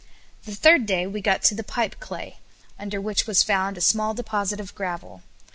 The third day we got to the pipe clay, under which was found a small deposit of gravel.